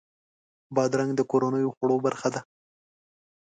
بادرنګ د کورنیو خوړو برخه ده.